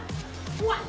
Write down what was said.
うわっ！